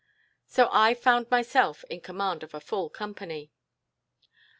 So I found myself in command of a full company.